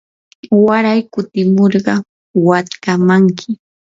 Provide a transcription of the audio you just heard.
waray kutimurqa watkamankim.